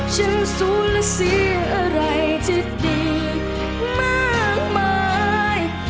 ฉันสูญเสียอะไรที่ดีมากมาย